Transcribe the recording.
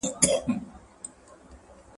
تاسو باید په خپلو منځونو کې حسد ونه کړئ.